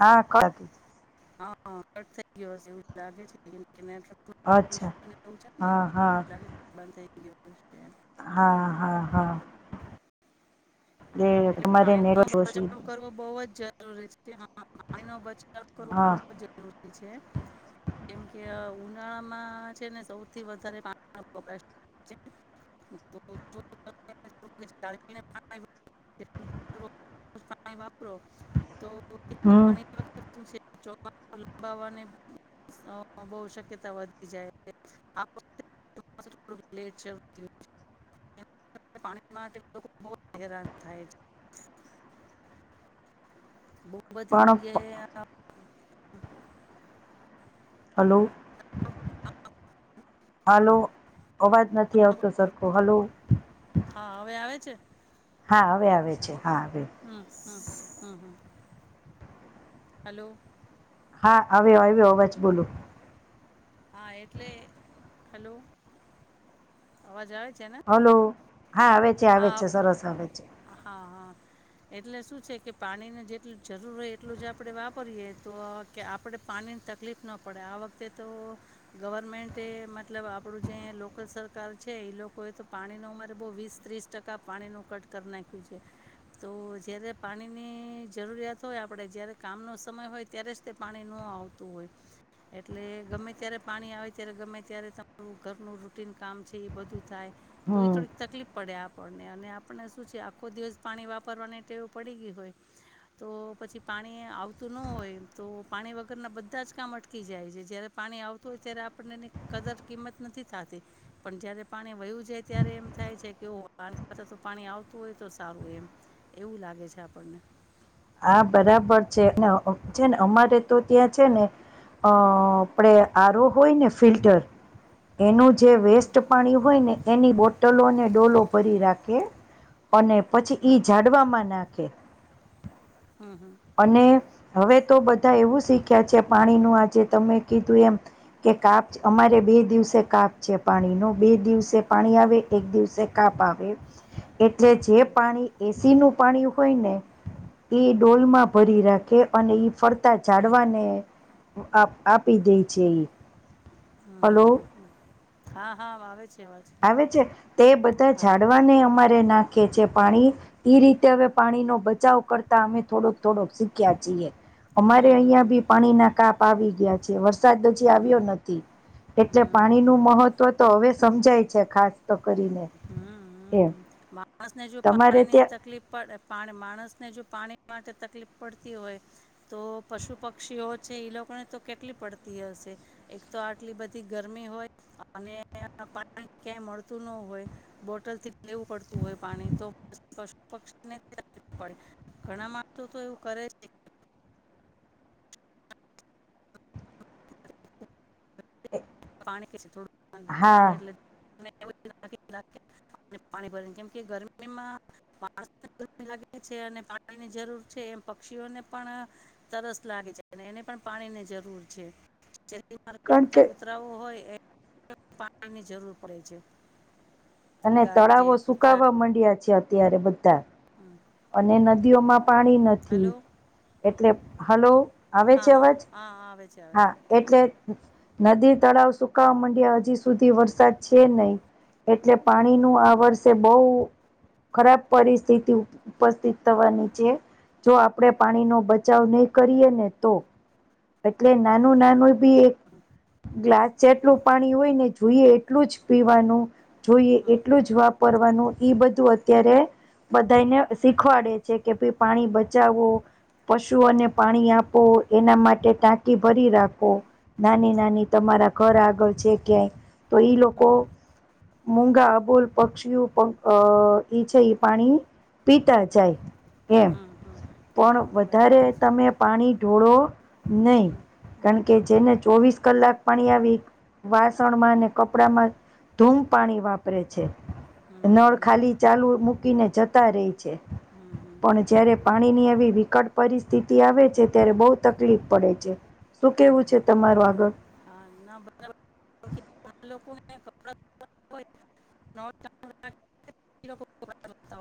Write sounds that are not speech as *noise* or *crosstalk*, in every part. હા કો હા કટ થઈ ગયો હ છે એવું લાગે છે ને અચ્છા હા હા થ હા હા હા એ એટલે તમારે પાણી નો નેટવર્ક ઓછી બચાવ કરવો બહુ જ જરૂરી છે. *inaudible* પાણી નો બચ કરવો હા બહુ જરૂરી છે. કેમ કે અહ ઉન નાળામાં છે ને સૌથી વધારે પાણી *inaudible* *inaudible* *inaudible* પાણી વાપરો તો હમ *inaudible* *inaudible* લંબાવવાને અહ બહુ શક્યતા વધી જાય *inaudible* *inaudible* *inaudible* પાણી માટે *inaudible* હેરાન થાય છે. બહું બધી પણ જગ્યાએ *inaudible* હલો. *inaudible* હાલો. અવાજ નથી આવતો સરખો, હલો. હા હવે આવે છે? હા હવે આવે છે, હા આવે. હા, હા, હા. હલો? હા હવે આવ્યો અવાજ બોલો. હા એટલે, હેલો, અવાજ આવે છ? હલો? હા આવે છે, આવે છે, સરસ આવે છે. હા હા એટલે શું છે કે પાણીને જેટલું જરૂર હોય એટલું જ આપણે વાપરીએ, તો કે આપણે પાણી તકલીફ ન પડે. આ વખતે તો ગવર્મેન્ટે મતલબ આપણું જે લોકલ સરકાર છે ઈ લોકોએ તો પાણી નું અમારે બહું વીસ ત્રીસ ટકા પાણી નું કટ કર નાયખું છે. તો જયારે પાણીની જરૂરિયાત હોય આપડે, જયારે કામનો સમય હોય ત્યારે જ તે પાણી નો આવતું હોય એટલે ગમે ત્યારે પાણી આવે ત્યારે ગમે ત્યારે તમારું ઘરનું રૂટન કામ છે એ બધું થાય તો એ હમ થોડીક તકલીફ પડે આપણને અને આપણને શું છે આખો દિવસ પાણી વાપરવાની ટેવું પડી ગયું હોય તો પછી પાણી આવતું ન હોય તો પાણી વગરના બધા જ કામ અટકી જાય છે જારે પાણી આવતું હોય ત્યારે આપણનેની કદર કિંમત નથી થતી પણ જ્યારે પાણી વયું જાય ત્યારે એમ થાય છે કેવો કરતા તો પાણી આવતું હોય તો સારું એમ એવું લાગે છે આપણને હા બરાબર છે ને છે ને અમારે તો ત્યાં છે ને અ આપડે આરો હોય ને ફિલ્ટર એનું જે હમ વેસ્ટ પાણી હોય ને એની બોટલો ને ડોલો ભરી રાખે અને પછી હમ ઈ જાડવામાં નાખે હમ હમ અને હવે તો બધા એવું શીખ્યા છે પાણીનુંું આજે તમે કીધું એમ કે કાપ અમારે બે દિવસે કાપ છે પાણી ન બે દિવસે પાણી આવે એક દિવસે કાપ આવે એટલે જે પાણી એસી નું પાણી હોય ને એ ડોલમાં ભરી રાખે અને ઈ ફરતા જાડવાને આપી દે છે હમ હલો હમમ હા હા આવે છે અવાજ આવે છે તે બધા હા જાડવાને અમારે નાખે છે પાણી એ રીતે હવે પાણી નો બચાવ કરતા અમે થોડોક થોડોક શીખ્યા છીએ અમારે હમ હમ અહિયાં બી પાણીના કાપ આવી ગયા છે વ વરસાદ હજી આવ્યો હમ, નથી એટલે હમ, પાણી નું મહત્વ તો હવે સમજાય છે ખાસ કરીને એમ માણસ ને જો તમારે પાણી ની ત્યાં તકલીફ પડે પા માણસને જો પાણી માટે તકલીફ પડતી હોય તો પશુ પક્ષીઓ છે ઈ લોકોને તો કેટલી પડતી હશે એક, તો આટલી બધી ગરમી હોય, અને પાણી ક્યા મળત તુ ન હોય, બોટલથી લેવું પડતું હોય, પાણી તો પશુ પક્ષીનેું પડે ઘણા માણસો, તો એવું કરે છે. કે પાણી, હા થોડુંવાનું એટલે *inaudible* પાણી ભરીને કેમ કે ગરમીમા વાર ગરમી લાગે છે, અને પાણીની જરૂર છે. કે પક્ષીઓને પણ તરસ લાગે છે, એને પણ પાણીની જરૂર છે. કારણ ચરીમાંતા કે કુતરાો હોય, એ પાણીની જરૂર પડે છે. અને ગાય છે તળાવો કૂતરા સુકાવા માંડ્યા છે, અત્યારે બધા હમ. અને નદી ઓમા પાણી નથી. હલો એટલે હલો આવે હા છે, હા અવાજ હા હા, આવે છે આવે હા છે એટલે નદી તળાવ સુકાવા મંડિયા હજી સુધી વરસાદ છે નહી એટલે પાણીનુ આ વર્ષે બહ ખરાબ પરિસ્થિતિ ઉપસ્થિત થવાની છે, જો આપણેે પાણીનોો બચાવ નહી, કરીએ ને તો એટલે નાનુ, નાનુ બી એક ગ્લા જેટલું, પાણી હોય, ને જોઈએ એટલું જ પીવાનું જોઈએ હમ એટલું જ વાપ પરવાનુ બધું, અત્યારે બધાને શીખવાડે છે, કે ભાઈ પાણી બચાવવું પશુઓને પાણી, આપો એના માટે ટાંકી ભરી રાખો નાની, નાની તમારા ઘર આગળ છે, ક્યાંય તો ઈ, લોકો હમ મૂ ગાબુલ પક્ષીઓ છે, એ પાણી પીતા જાય એમ હમ હમ હમ પણ હા વધારે, બરાબર છે તમે પાણી ઢોળો. નહી હમ હમ હમ કારણ, કે છે. ચોવીસ, કલાક પાણી આવી વાસણમાં અને કપડામાં ધૂમ પાણી વાપરે છે, હમ હમ નળ હમ હમ ખાલી ચાલુ મૂકીને જતા રહી. હમ હમ પણ જયારે, પાણીની એવી વિકટ પરિસ્થિતિ આવે છે, ત્યારે બહુ તકલીફ પડે છે શું કેવું છે, હમ તમારું આગળ હા ના બરાબર કેમ કે ઘણા લોકોને કપડાં હોય નળ *inaudible* તો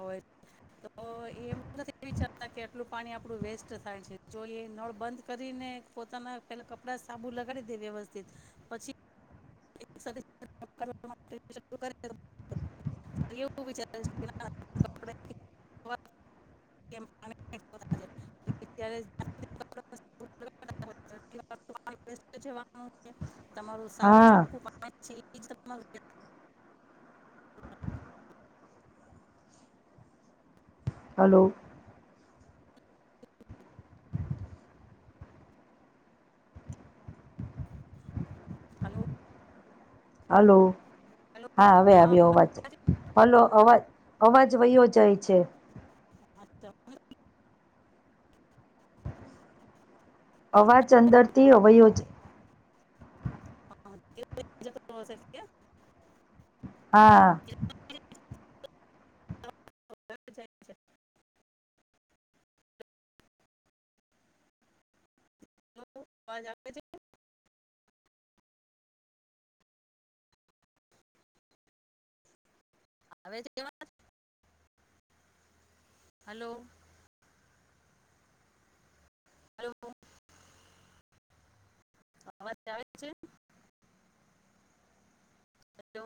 એમ નથી, વિચારતા કે આટલું પાણી આપણું વેસ્ટ થાય છે, જો એ નળ બંધ કરીને પોતાના પેલા કપડા સાબુ લગાડી, દે વ્યવસ્થિત પછી *inaudible* અ્યા, હ વિચાર *inaudible* *inaudible* યારે *inaudible* જવાનું *inaudible* તમારું સારું હા, ચોખ્ખું પાણી છે, એ તમાર હાલો હલો. હલોો, હા હવે આવ્યો હા, વાત હા, હલો અવાજ, અવાજ વયો જાય છે. *inaudible* અવાજ અંદરથી અવયયો હા, હા, હા, હા. *inaudible* હ આવાજ આપ છે. *unintelligible* હલો. હલો એ, છે. અવાજ આવે છે હલો